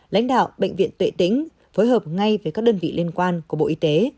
lãnh đạo bệnh viện tuệ tĩnh phối hợp ngay với các đơn vị liên quan của bộ y tế